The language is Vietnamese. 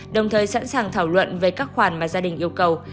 đồng thời sẵn sàng thảo luận về các khoản mà gia đình yêu cầu